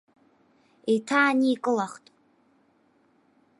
Еиҭааникылахт.